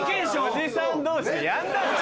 おじさん同士でやんないだろ。